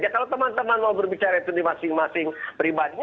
kalau teman teman mau berbicara itu di masing masing pribadi